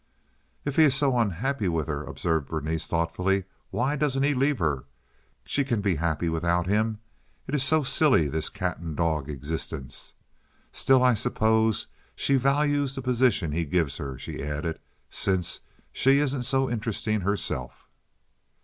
"If he is so unhappy with her," observed Berenice, thoughtfully, "why doesn't he leave her? She can be happy without him. It is so silly—this cat and dog existence. Still I suppose she values the position he gives her," she added, "since she isn't so interesting herself."